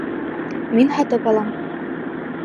Мин һатып алам.